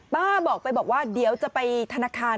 ป้าบอกไปว่าเดี๋ยวจะไปธนาคาร